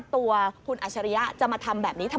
ตัวคุณอัจฉริยะจะมาทำแบบนี้ทำไม